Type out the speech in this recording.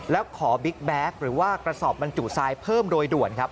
แล้วขอบิ๊กแบ็คหรือว่ากระสอบบรรจุทรายเพิ่มโดยด่วนครับ